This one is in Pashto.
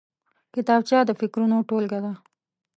کتابچه د فکرونو ټولګه ده